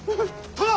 殿！